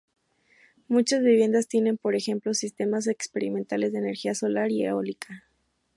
Muchas viviendas tienen, por ejemplo, sistemas experimentales de energía solar y eólica.